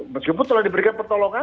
meskipun telah diberikan pertolongan